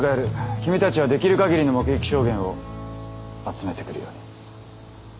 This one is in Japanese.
君たちはできる限りの目撃証言を集めてくるように。